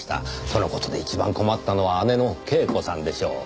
その事で一番困ったのは姉の恵子さんでしょう。